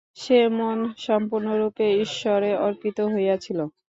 সে-মন সম্পূর্ণরূপে ঈশ্বরে অর্পিত হইয়াছিল।